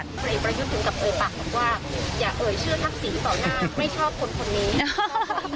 อันนี้มีประยุกต์ถึงกับเอ๋ยปะว่า